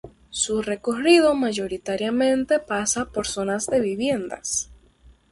Su recorrido mayoritariamente pasa por zonas de viviendas.